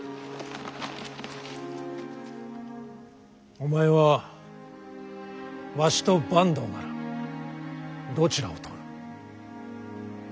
お前はわしと坂東ならどちらを取る？